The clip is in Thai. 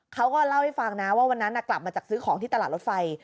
เขาก็เล่าให้ฟังนะว่าวันนั้นกลับมาจากซื้อของที่ตลาดรถไฟ